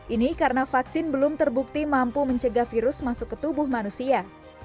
ini karena vaksin belum terbukti mampu mencegah virus masuk ke tubuh manusia